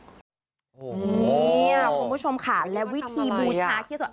นี่คุณผู้ชมค่ะและวิธีบูชาเขี้ยวเสือ